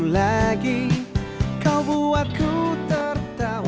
lagi kau buat ku tertawa